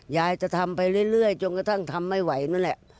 ยายจะทำไปเรื่อยจนกระทั่งทำไม่ไหวนั่นแหละ